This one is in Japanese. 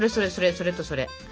それとそれ。